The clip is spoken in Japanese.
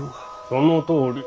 そのとおり。